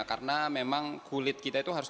karena memang kulit kita itu harus